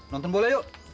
nonton boleh yuk